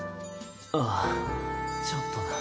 ああちょっとな。